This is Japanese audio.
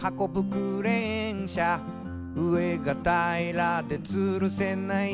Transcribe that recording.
クレーン車」「上がたいらでつるせない」